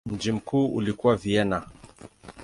Mji mkuu ulikuwa Vienna.